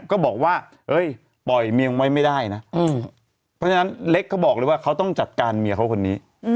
ก็บอกว่าปล่อยเมียงไว้ไม่ได้นะเพราะฉะนั้นเล็กเขาบอกเลยว่าเขาต้องจัดการเมียเขาคนนี้